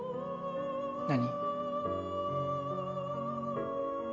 何？